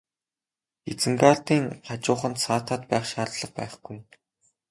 Изенгардын хажууханд саатаад байх шаардлага байхгүй.